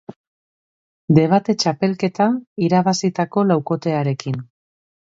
Debate txapelketa irabazitako laukotearekin.